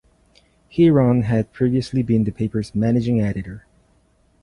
Heron had previously been the paper's managing editor.